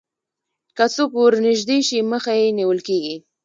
که څوک ورنژدې شي مخه یې نیول کېږي